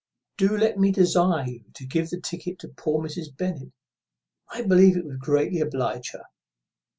Do let me desire you to give the ticket to poor Mrs. Bennet. I believe it would greatly oblige her."